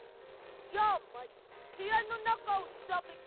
じゃあまずへやのなかをしらべて。